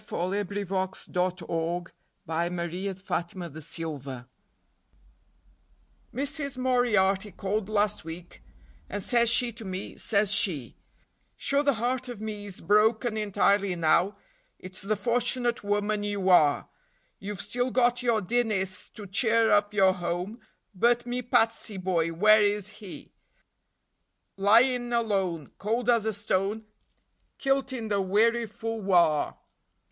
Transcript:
Wot's the matter with Bill! Missis Moriarty's Boy Missis Moriarty called last week, and says she to me, says she: "Sure the heart of me's broken entirely now it's the fortunate woman you are; You've still got your Dinnis to cheer up your home, but me Patsy boy where is he? Lyin' alone, cold as a stone, kilt in the weariful wahr.